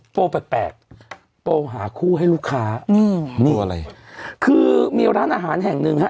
โปรแปลกแปลกโปรหาคู่ให้ลูกค้านี่ไงนี่อะไรคือมีร้านอาหารแห่งหนึ่งฮะ